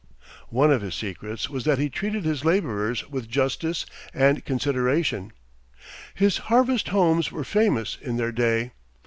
One of his secrets was that he treated his laborers with justice and consideration. His harvest homes were famous in their day.